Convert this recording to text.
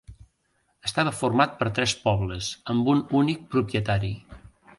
Estava format per tres pobles amb un únic propietari.